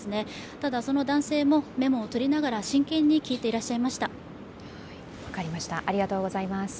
ただその男性もメモを取りながら真剣に聞いていらっしゃいました。